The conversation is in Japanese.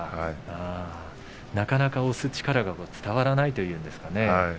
なかなか押す力が伝わらないと言いますね。